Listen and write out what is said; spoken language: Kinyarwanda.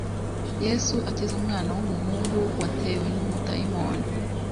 Yesu akiza umwana w umuhungu watewe n umudayimoni